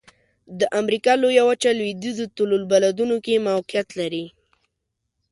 د امریکا لویه وچه لویدیځو طول البلدونو کې موقعیت لري.